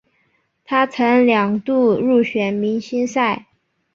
他曾两度入选明星赛。